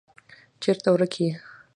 چیرته ورک یې.